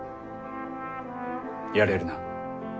やれるな？